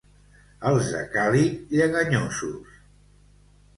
Els de Càlig, lleganyosos.